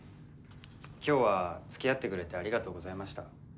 今日はつきあってくれてありがとうございました。